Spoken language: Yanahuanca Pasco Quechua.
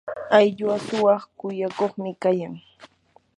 ayllua shumaq kuyakuqmi kayan.